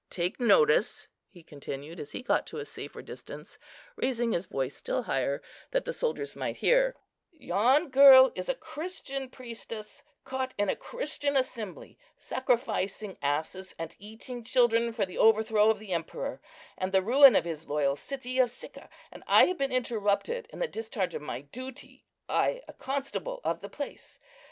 Take notice," he continued, as he got to a safer distance, raising his voice still higher, that the soldiers might hear, "yon girl is a Christian priestess, caught in a Christian assembly, sacrificing asses and eating children for the overthrow of the Emperor, and the ruin of his loyal city of Sicca, and I have been interrupted in the discharge of my duty—I, a constable of the place.